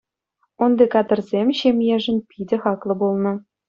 Унти кадрсем ҫемьешӗн питӗ хаклӑ пулнӑ.